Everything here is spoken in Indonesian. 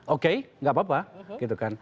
oke tidak apa apa